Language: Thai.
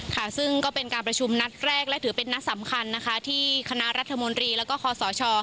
ค่ะซึ่งก็เป็นการประชุมนัดแรกและถือเป็นนัดสำคัญนะคะที่คณะรัฐมนตรีแล้วก็คอสช